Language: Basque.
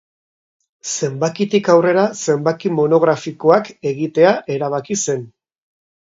Zenbakitik aurrera zenbaki monografikoak egitea erabaki zen.